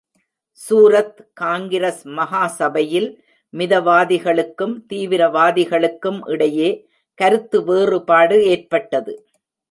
சூரத் காங்கிரஸ் மகா சபையில் மிதவாதிகளுக்கும் தீவிரவாதிகளுக்கும் இடையே கருத்து வேறுபாடு ஏற்பட்டது.